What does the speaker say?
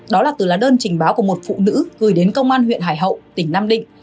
đó là từ là đơn trình báo của một phụ nữ gửi đến công an huyện hải hậu tỉnh nam định